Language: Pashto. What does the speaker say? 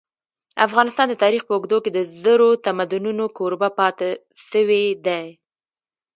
افغانستان د تاریخ په اوږدو کي د زرو تمدنونو کوربه پاته سوی دی.